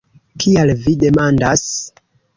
Kial vi demandas?